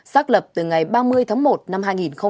xác lập từ ngày ba mươi tháng một năm hai nghìn một mươi chín